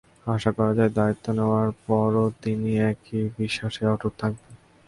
আশা করা যায়, দায়িত্ব নেওয়ার পরও তিনি একই বিশ্বাসে অটুট থাকবেন।